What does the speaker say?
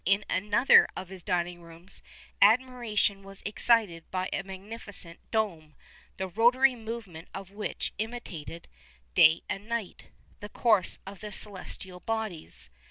In another of his dining rooms admiration was excited by a magnificent dome, the rotary movement of which imitated, day and night, the course of the celestial bodies.